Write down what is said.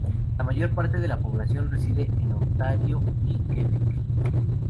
La mayor parte de la población reside en Ontario y Quebec.